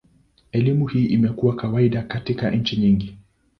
Elimu hii imekuwa kawaida katika nchi nyingi.